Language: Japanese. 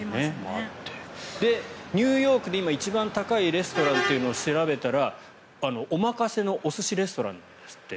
ニューヨークで今、一番高いレストランを調べたらお任せのお寿司レストランなんですって。